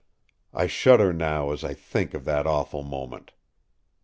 I shudder now as I think of that awful moment.